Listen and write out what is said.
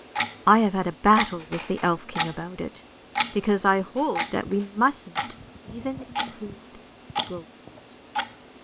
I have had a battle with the elf king about it ; because I hold that we musn't even include ghosts.